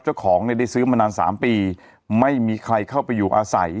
เจ้าของเนี่ยได้ซื้อมานาน๓ปีไม่มีใครเข้าไปอยู่อาศัย